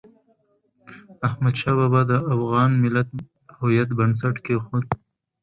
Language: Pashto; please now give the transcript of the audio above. احمد شاه بابا د افغان ملت د هویت بنسټ کېښود.